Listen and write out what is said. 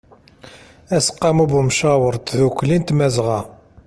aseqqamu n ymcawer n tdukli n tmazɣa